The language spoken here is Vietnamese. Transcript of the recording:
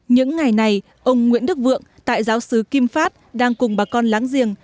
những ngày này ông nguyễn đức vượng tại giáo sứ kim phát đang cùng bà con láng giềng